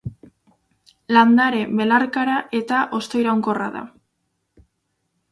Landare belarkara eta hostoiraunkorra da.